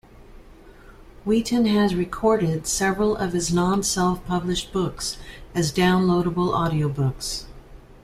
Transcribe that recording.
Wheaton has recorded several of his non-self-published books as downloadable audiobooks.